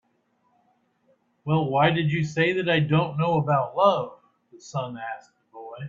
"Well, why did you say that I don't know about love?" the sun asked the boy.